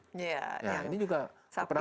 ini juga perang panjang